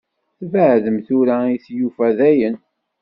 Tbeɛɛdem tura i tlufa, dayen?